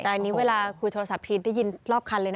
แต่อันนี้เวลาคุยโทรศัพท์ทีนได้ยินรอบคันเลยนะ